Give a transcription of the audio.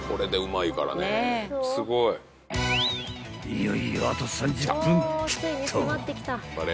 ［いよいよあと３０分切った］